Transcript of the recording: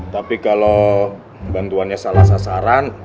tapi kalau bantuannya salah sasaran